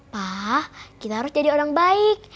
wah kita harus jadi orang baik